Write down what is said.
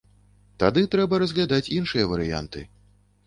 Тады трэба разглядаць іншыя варыянты.